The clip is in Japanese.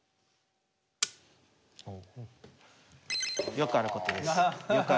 よくあることです。